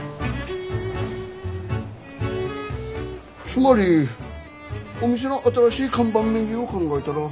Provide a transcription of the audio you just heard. つまりお店の新しい看板メニューを考えたら。